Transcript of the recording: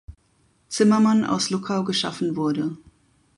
Zimmermann aus Luckau geschaffen wurde.